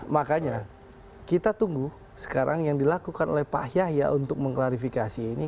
makanya kita tunggu sekarang yang dilakukan oleh pak yahya untuk mengklarifikasi ini